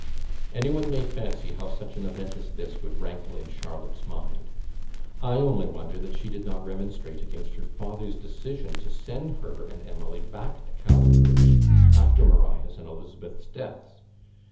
Any one may fancy how such an event as this would rankle in Charlotte's mind. I only wonder that she did not remonstrate against her father's decision to send her and Emily back to Cowan Bridge, after Maria's and Elizabeth's deaths.